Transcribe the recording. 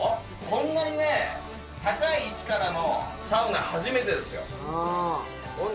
こんなにね、高い位置からのサウナ、初めてですよ。